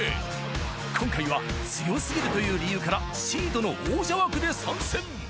今回は強すぎるという理由からシードの王者枠で参戦